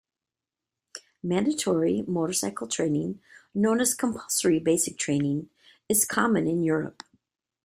Mandatory motorcycle training, known as Compulsory Basic Training, is common in Europe.